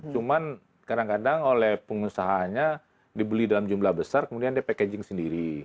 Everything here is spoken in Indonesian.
cuman kadang kadang oleh pengusahanya dibeli dalam jumlah besar kemudian dia packaging sendiri